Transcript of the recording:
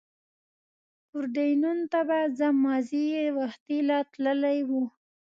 پورډېنون ته به ځم، مازې یې وختي لا تللي و.